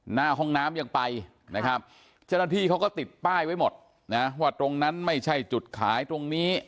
หน้าห้องน้ำยังไปนะครับเจ้าหน้าที่เขาก็ติดป้ายไว้หมดนะว่าตรงนั้นไม่ใช่จุดขายตรงนี้